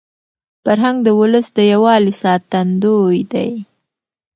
فرهنګ د ولس د یووالي ساتندوی دی.